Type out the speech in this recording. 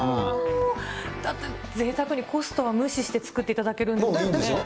だってぜいたくにコストは無視して作っていただけるんですもんね。